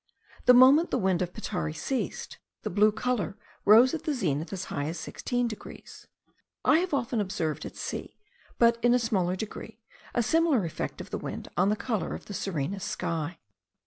The moment the wind of Petare ceased, the blue colour rose at the zenith as high as 16 degrees. I have often observed at sea, but in a smaller degree, a similar effect of the wind on the colour of the serenest sky.